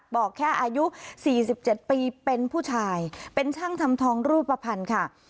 บอกแค่อายุ๔๗ปีเป็นผู้ชายเป็นช่างทำทองรูปภัณฑ์ค่ะ